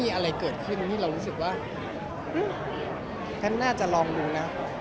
อะไรเกิดขึ้นที่เรารู้สึกว่าฉันน่าจะลองดูนะ